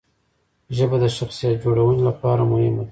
ژبه د شخصیت جوړونې لپاره مهمه ده.